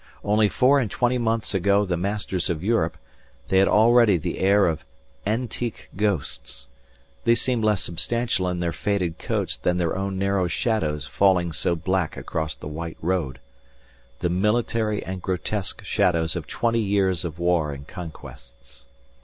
Only four and twenty months ago the masters of Europe, they had already the air of antique ghosts, they seemed less substantial in their faded coats than their own narrow shadows falling so black across the white road the military and grotesque shadows of twenty years of war and conquests.